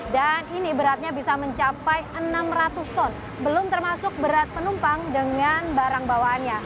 dan ini beratnya bisa mencapai enam ratus ton belum termasuk berat penumpang dengan barang bawaannya